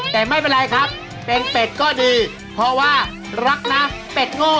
แต่ไม่เป็นไรครับเป็นเป็ดก็ดีเพราะว่ารักนะเป็ดโง่